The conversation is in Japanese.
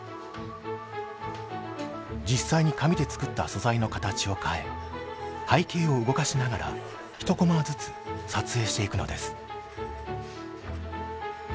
実際に紙で作った素材の形を変え背景を動かしながら１コマずつ撮影していくのです。